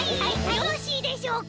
よろしいでしょうか？